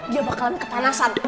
dia bakalan kepanasan